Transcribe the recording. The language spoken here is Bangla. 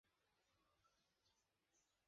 আচ্ছা, এবার বাহ্যিক একটা উদাহরণ দেওয়া যাক।